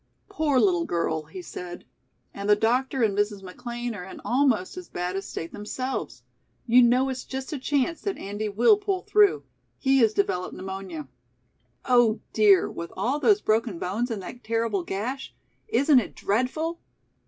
"Poor little girl!" he said. "And the Doctor and Mrs. McLean are in almost as bad a state themselves. You know it's just a chance that Andy will pull through. He has developed pneumonia." "Oh, dear, with all those broken bones and that terrible gash! Isn't it dreadful?"